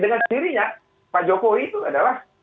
dengan sendirinya pak jokowi itu adalah